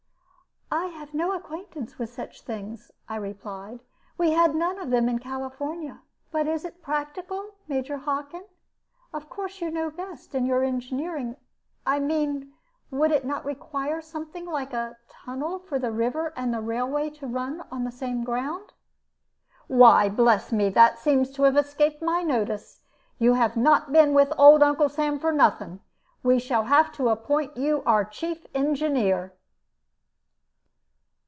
"I have no acquaintance with such things," I replied; "we had none of them in California. But is it practical, Major Hockin of course you know best in your engineering I mean, would it not require something like a tunnel for the river and the railway to run on the same ground?" "Why, bless me! That seems to have escaped my notice. You have not been with old Uncle Sam for nothing. We shall have to appoint you our chief engineer."